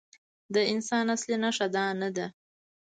د انسان اصلي نښه دا نه ده.